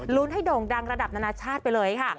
ให้โด่งดังระดับนานาชาติไปเลยค่ะ